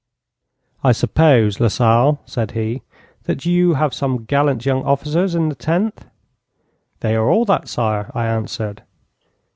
'"I suppose, Lasalle," said he, "that you have some gallant young officers in the Tenth?" '"They are all that, sire," I answered.